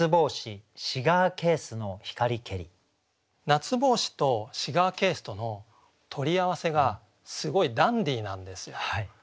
「夏帽子」と「シガーケース」との取り合わせがすごいダンディーなんですよ。